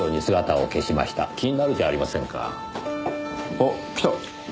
あっ来た。